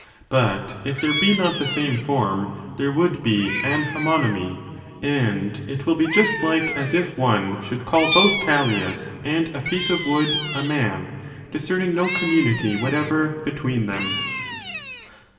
But if there be not the same form there would be an homo nymy; and it will be just like as if one should call both Callias and a piece of wood a man, discerning no community whatever between them.